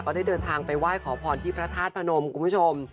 ได้เดินทางไปไหว้ขอพรที่พระธาตุพนมคุณผู้ชม